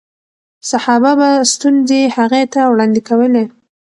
صحابه به ستونزې هغې ته وړاندې کولې.